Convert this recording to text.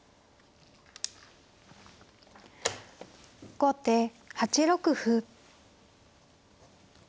後手８六歩。